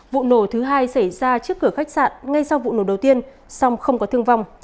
vụ nổ thứ hai xảy ra trước cửa khách sạn ngay sau vụ nổ đầu tiên song không có thương vong